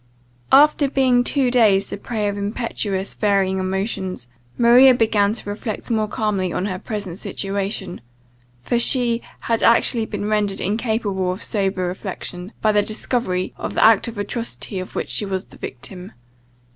After being two days the prey of impetuous, varying emotions, Maria began to reflect more calmly on her present situation, for she had actually been rendered incapable of sober reflection, by the discovery of the act of atrocity of which she was the victim.